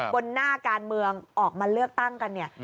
บนหน้าการเมืองออกมาเลือกตั้งกันเนี่ย